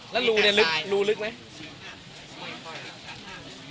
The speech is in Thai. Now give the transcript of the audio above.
แล้วรูลึกไหม